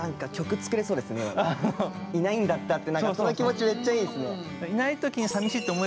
「いないんだった」ってその気持ちめっちゃいいですね。